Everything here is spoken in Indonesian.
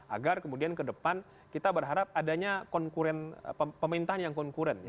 agar kemudian ke depan kita berharap adanya pemerintahan yang konkuren